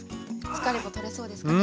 疲れも取れそうですかね。